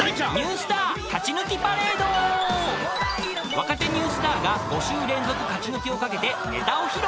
［若手ニュースターが５週連続勝ち抜きを懸けてネタを披露］